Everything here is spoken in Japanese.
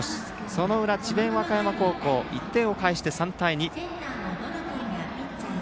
その裏、智弁和歌山高校１点を返して３対２。